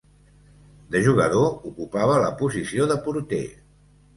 De jugador, ocupava la posició de porter.